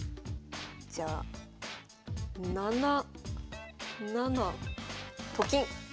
じゃあ７七と金。